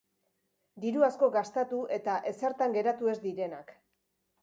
Diru asko gastatu eta ezertan geratu ez direnak.